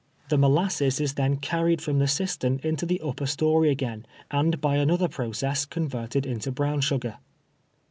The molasses is then carried from the cistern into the upper story again, and by another process converted into brown sugar.